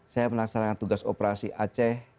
saya melaksanakan tugas operasi aceh